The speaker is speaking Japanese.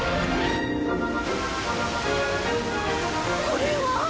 これは！？